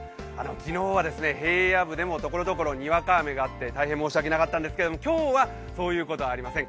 昨日は平野部でもところどころにわか雨があって大変申し訳なかったんですけども、今日はそういうことはありません。